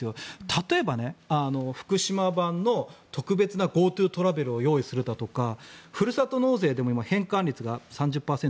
例えば、福島版の特別なＧｏＴｏトラベルを用意するだとかふるさと納税でも今、返還率が３０％。